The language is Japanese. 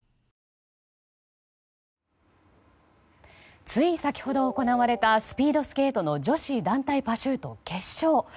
つい先ほど行われたスピードスケートの女子団体パシュート決勝。